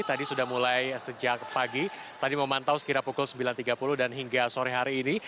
tadi sudah mulai sejak pagi tadi memantau sekira pukul sembilan tiga puluh dan hingga sore hari ini